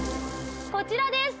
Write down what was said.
こちらです！